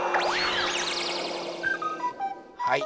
はい！